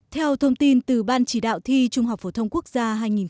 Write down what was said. theo thông tin từ ban chỉ đạo thi trung học phổ thông quốc gia hai nghìn một mươi tám